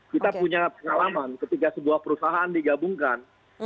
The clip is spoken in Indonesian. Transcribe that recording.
kita punya pengalaman ketika sebuah perusahaan digabungkan